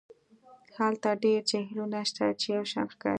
هلته ډیر جهیلونه شته چې یو شان ښکاري